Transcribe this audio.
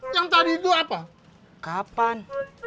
yang tadi itu apa kapan